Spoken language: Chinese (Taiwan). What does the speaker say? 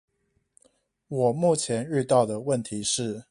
我目前遇到的問題是